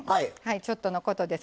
ちょっとのことです